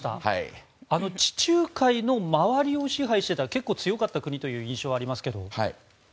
地中海の周りを支配していた結構強かった国という印象がありますけど。